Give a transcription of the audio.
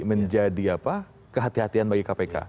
menjadi kehatian kehatian bagi kpk